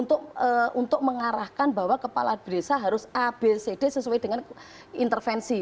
untuk mengarahkan bahwa kepala desa harus abcd sesuai dengan intervensi